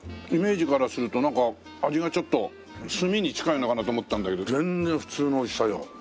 イメージからすると味がちょっと炭に近いのかなと思ったんだけど全然普通のおいしさよ。